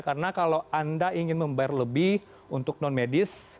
karena kalau anda ingin membayar lebih untuk non medis